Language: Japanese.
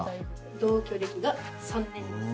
同居歴が３年です。